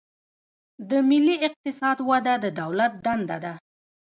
د ملي اقتصاد وده د دولت دنده ده.